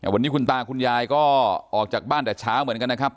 วันนี้คุณตาคุณยายก็ออกจากบ้านแต่เช้าเหมือนกันนะครับ